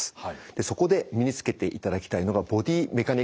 そこで身につけていただきたいのがボディメカニクスという技術なんですね。